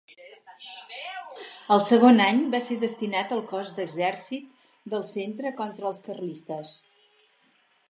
Al segon any va ser destinat al cos d'exèrcit del centre contra els carlistes.